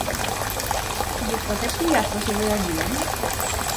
Czy dostatecznie jasno się wyraziłem?